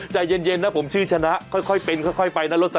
ใจเย็นนะผมชื่อชนะค่อยเป็นค่อยไปนะ